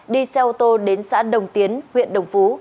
đi xe ô tô đến xã đồng tiến huyện đồng phú